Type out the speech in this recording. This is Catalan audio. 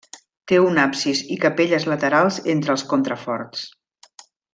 Té un absis i capelles laterals entre els contraforts.